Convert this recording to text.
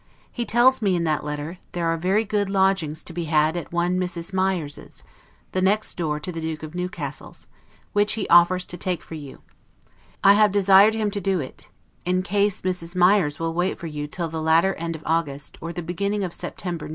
He tells me in that letter, there are very good lodgings to be had at one Mrs. Meyers's, the next door to the Duke of Newcastle's, which he offers to take for you; I have desired him to do it, in case Mrs. Meyers will wait for you till the latter end of August, or the beginning of September, N.